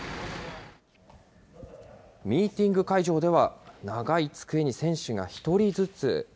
ミーティング会場では、長い机に選手が１人ずつ。